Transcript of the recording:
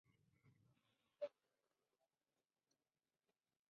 Su carrera fue con su hermano en el gobierno.